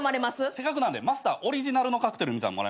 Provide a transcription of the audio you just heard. せっかくなんでマスターオリジナルのカクテルみたいのもらえます？